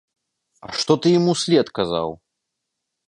А што ты ім услед казаў?